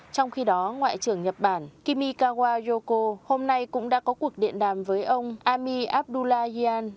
trong khi đó ngoại trưởng nhật bản kimikawa yoko hôm nay cũng đã có cuộc điện đàm với ông ami abdullah yan